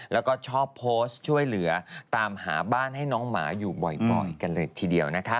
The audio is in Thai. แล้วก็ชอบโพสต์ช่วยเหลือตามหาบ้านให้น้องหมาอยู่บ่อยกันเลยทีเดียวนะคะ